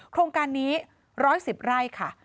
โครงการนี้๑๑๐ไร่ค่ะ